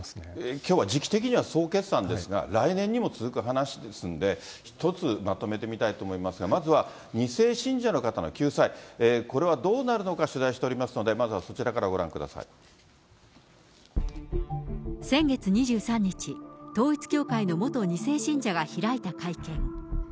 きょうは時期的には総決算ですが、来年にも続く話ですんで、一つ、まとめてみたいと思いますが、まずは２世信者の方の救済、これはどうなるのか、取材しておりますので、まずはそちらからご先月２３日、統一教会の元２世信者が開いた会見。